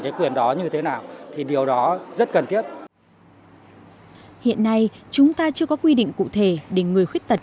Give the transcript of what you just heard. hiện nay chúng ta chưa có quy định cụ thể để người khuyết tật